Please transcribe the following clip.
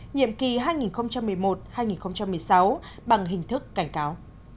nhiệm kỳ hai nghìn một mươi một hai nghìn một mươi sáu bằng hình thức cảnh cáo